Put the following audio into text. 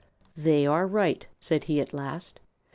"They are right," said he at last.